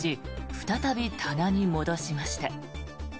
再び棚に戻しました。